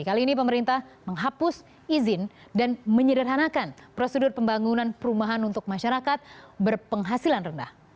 kali ini pemerintah menghapus izin dan menyederhanakan prosedur pembangunan perumahan untuk masyarakat berpenghasilan rendah